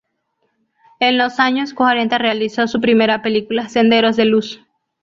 En los años cuarenta realizó su primera película, "Senderos de luz".